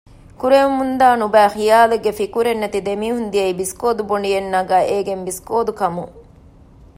ކުރެވެމުންދާ ނުބައިކަމުގެ ޚިޔާލެއް ފިކުރެއް ނެތި ދެމީހުން ދިޔައީ ބިސްކޯދު ބޮނޑިއެއް ނަގާ އޭގެން ބިސްކޯދު ކަމުން